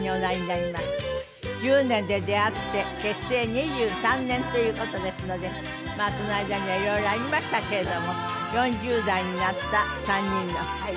１０年で出会って結成２３年という事ですのでその間には色々ありましたけれども４０代になった３人の募るお話を。